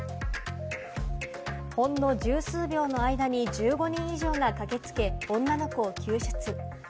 ほんの十数秒の間に１５人以上が駆けつけ、女の子を救出。